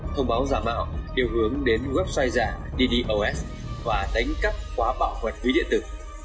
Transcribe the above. thông báo giả mạo điều hướng đến website giả ddos và đánh cắp khóa bảo quản quý điện tử